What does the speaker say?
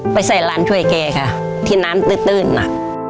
ไปใส่ร้านช่วยแกค่ะที่น้ำตื้นน่ะ